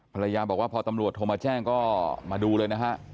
ภรรยาบอกว่าพอตำรวจโทรมาแจ้งก็มาดูเลยนะฮะ